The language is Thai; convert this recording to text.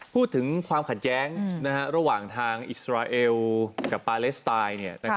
พูดถึงความขัดแย้งระหว่างทางอิสราเอลกับปาเลสไตน์